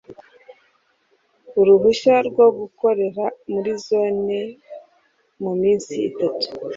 uruhushya rwo gukorera muri Zone mu minsi itatu